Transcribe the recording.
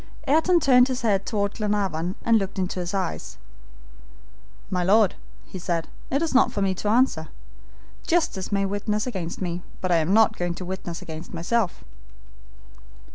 Ayrton turned his head toward Glenarvan, and looked into his eyes. "My Lord," he said, "it is not for me to answer. Justice may witness against me, but I am not going to witness against myself."